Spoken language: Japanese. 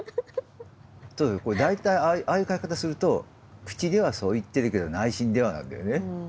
大体ああいう書き方すると「口ではそう言ってるけど内心では」なんだよね。